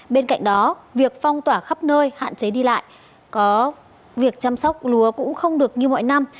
bên cạnh đó việc phong tỏa khắp nơi hạn chế đi lại có việc chăm sóc lúa cũng không được như mọi năm